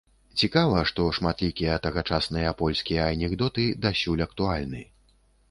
Цікава, што шматлікія тагачасныя польскія анекдоты дасюль актуальны.